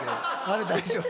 あれ大丈夫。